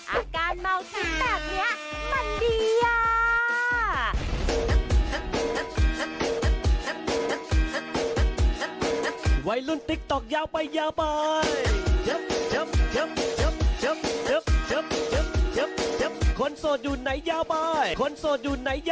อาการเมาทิ้งแบบเนี้ย